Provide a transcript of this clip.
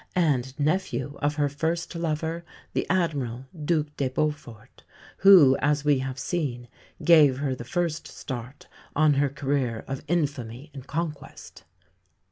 and nephew of her first lover, the Admiral, Duc de Beaufort, who, as we have seen, gave her the first start on her career of infamy and conquest.